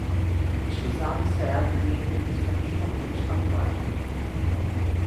Escusado será dizer que eles estão descontentes com a linguagem.